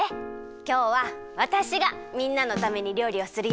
きょうはわたしがみんなのためにりょうりをするよ。